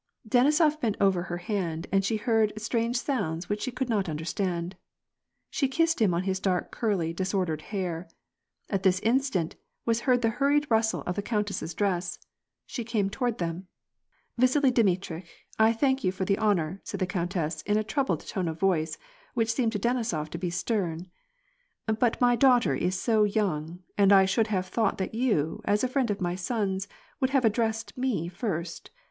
Denisof bent over her hand, and she heard strange sounds which she could not understand. She kissed him on his dark, curly, disordered hair. At this instant, was heard the hurried rustle of the countess's dress. She came toward them. " Vasili Dmitritch, I thank you for the honor," said the count ess in a troubled tone of voice, which seemed to Denisof to be stern. "But my daughter is so young, and I should have thought that you, as a friend of my son's, would have addressed me first.